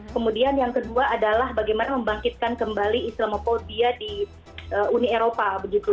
kemudian yang kedua adalah bagaimana membangkitkan kembali islamophobia di uni eropa